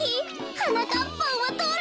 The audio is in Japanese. はなかっぱんはどれ？